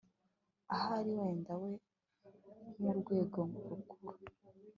ahari wenda we nk'urwego rukuru